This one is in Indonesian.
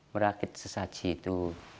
merakit sesaji itu